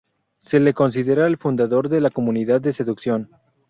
Se le considera el fundador de la comunidad de seducción.